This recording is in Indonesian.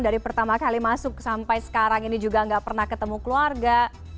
dari pertama kali masuk sampai sekarang ini juga nggak pernah ketemu keluarga